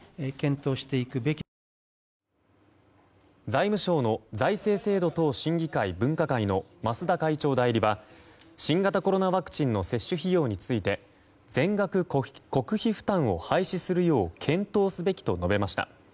財務省の財政制度等審議会分科会の増田会長代理は新型コロナワクチンの接種費用について全額国費負担を廃止するよう検討すべきと述べました。